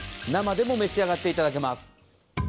生でも召しあがっていただけます。